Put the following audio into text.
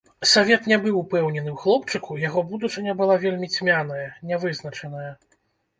Савет не быў упэўнены ў хлопчыку, яго будучыня была вельмі цьмяная, не вызначаная.